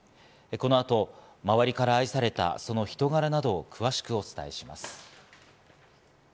この後、周りから愛されたその人柄などを詳しくお伝えします。